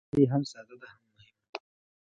رسۍ هم ساده ده، هم مهمه.